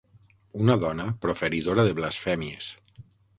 Una dona proferidora de blasfèmies.